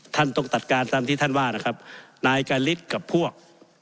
ท่านต้องจัดการตามที่ท่านว่านะครับนายกาลิศกับพวก